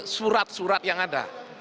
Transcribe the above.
surat surat yang ada